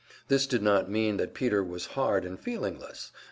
This did not mean that Peter was hard and feelingless.